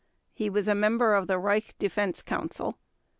He was a member of the Reich Defense Council.